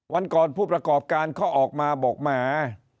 วันก่อนผู้ประกอบการเขาออกมาบอกแหม